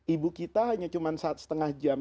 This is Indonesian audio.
ibu kita hanya cuma setengah jam